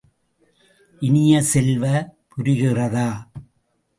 இனிய செல்வ, புரிகிறதா?